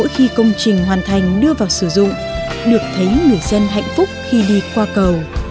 khi công trình hoàn thành đưa vào sử dụng được thấy người dân hạnh phúc khi đi qua cầu